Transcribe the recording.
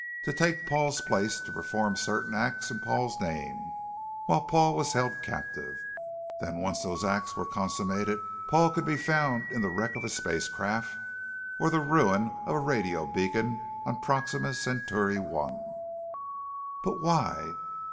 To take Paul's place to perform certain acts in Paul's name, while Paul was held captive. Then, once these acts were consummated Paul could be found in the wreck of a spacecraft or the ruin of a radio beacon on Proxima Centauri I. But why?